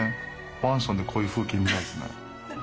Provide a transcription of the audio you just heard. マンションでこういう風景見ないですね。